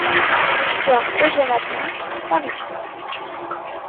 Square Eugène Hatton, Paris